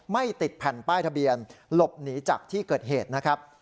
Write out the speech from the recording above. ไม่ติดแผ่นป้ายทะเบียนหลบหนีจากที่เกิดเหตุนะครับ